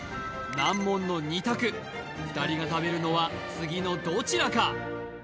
難問の２択２人が食べるのは次のどちらか？